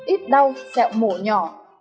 ít đau sẹo mổ nhỏ